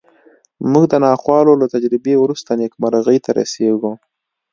موږ د ناخوالو له تجربې وروسته نېکمرغۍ ته رسېږو